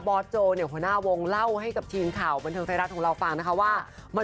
บอสโจว์หัวหน้าวงเล่าให้กับชีมข่าวบันเทอมไซรัสของเราฟังว่า